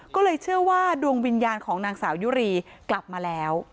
ก็เลยเชื่อว่าดวงวิญญาณของนางสาวยุรีกลับมาแล้ว